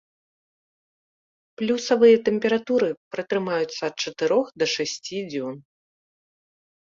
Плюсавыя тэмпературы пратрымаюцца ад чатырох да шасці дзён.